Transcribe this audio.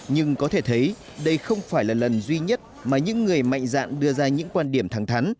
nhưng có thể thấy đây không phải là lần duy nhất mà những người mạnh dạn đưa ra những quan điểm thẳng thắn